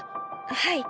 はい。